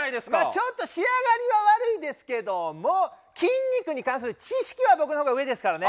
ちょっと仕上がりが悪いですけども筋肉に関する知識は僕のほうが上ですからね。